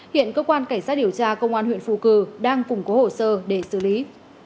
hiện cơ quan cảnh sát điều tra công an huyện phụ cử đang cùng có hồ sơ để xử lý